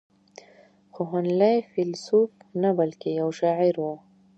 خو هنلي فيلسوف نه بلکې يو شاعر و.